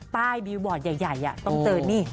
บีบอร์ดใหญ่ต้องเจอนี่